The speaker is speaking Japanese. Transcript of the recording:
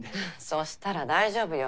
そしたら大丈夫よ。